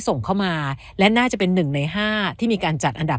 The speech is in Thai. ส่งเข้ามาและน่าจะเป็น๑ใน๕ที่มีการจัดอันดับ